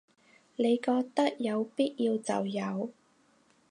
你覺得有必要就有